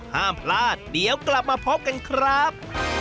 ห้ามพลาดเดี๋ยวกลับมาพบกันครับ